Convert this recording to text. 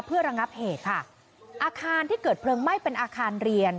เพื่อระงับเหตุค่ะอาคารที่เกิดเพลิงไหม้เป็นอาคารเรียน